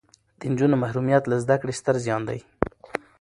د نجونو محرومیت له زده کړې ستر زیان دی.